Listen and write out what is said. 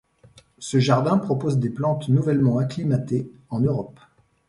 Ce jardin propose des plantes nouvellement acclimatées en Europe.